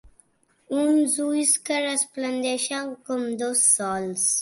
Uns ulls que resplendeixen com dos sols.